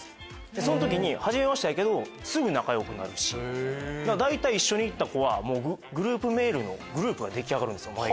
その時にはじめましてやけどすぐ仲良くなるし大体一緒に行った子はグループメールのグループが出来上がるんですよ。